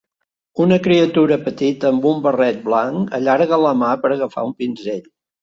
Una criatura petita amb un barret blanc allarga la mà per agafar un pinzell.